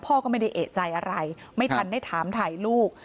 ก็ไม่ได้เอกใจอะไรไม่ทันได้ถามถ่ายลูก